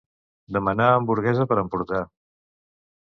Demanar hamburguesa per emportar.